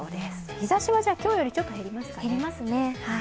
日ざしは今日よりちょっと減りますね。